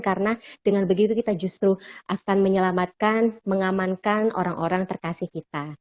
karena dengan begitu kita justru akan menyelamatkan mengamankan orang orang terkasih kita